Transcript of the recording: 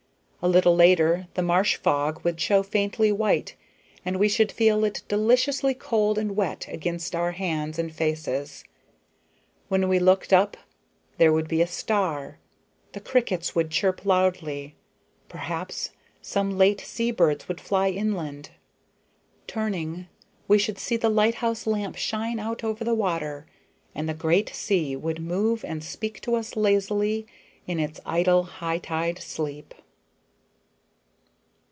A little later the marsh fog would show faintly white, and we should feel it deliciously cold and wet against our hands and faces; when we looked up there would be a star; the crickets would chirp loudly; perhaps some late sea birds would fly inland. Turning, we should see the lighthouse lamp shine out over the water, and the great sea would move and speak to us lazily in its idle, high tide sleep.